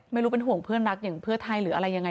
ไม่รู้เป็นห่วงเพื่อนรักอย่างเพื่อไทยหรืออะไรยังไง